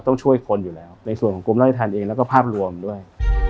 ต้องช่วยคนอยู่แล้วในส่วนของกรมราชธรรมเองแล้วก็ภาพรวมด้วย